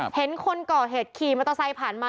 เห็นคนก่อเหตุขี่มัตเซนภัณฑ์มา